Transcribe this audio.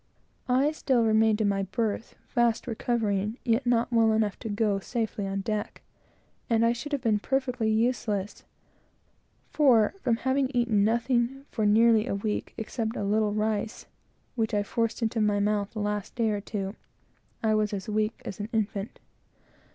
I still remained in my berth, fast recovering, yet still not well enough to go safely on deck. And I should have been perfectly useless; for, from having eaten nothing for nearly a week, except a little rice, which I forced into my mouth the last day or two, I was as weak as an infant.